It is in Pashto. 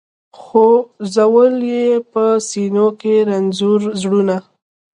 خو ځول یې په سینو کي رنځور زړونه